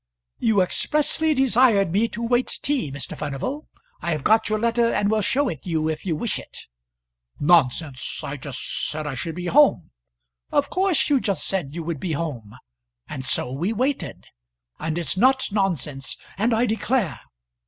"You expressly desired me to wait tea, Mr. Furnival. I have got your letter, and will show it you if you wish it." "Nonsense; I just said I should be home " "Of course you just said you would be home, and so we waited; and it's not nonsense; and I declare